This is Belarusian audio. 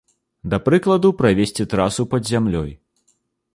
Да прыкладу, правесці трасу пад зямлёй.